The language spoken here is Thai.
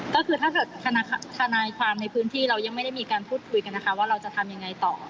ก็คือถ้าเกิดทนายความในพื้นที่เรายังไม่ได้มีการพูดคุยกันนะคะว่าเราจะทำยังไงต่อ